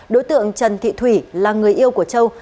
đối tượng trần thị thủy là người yêu của châu